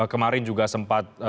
kemarin juga sempat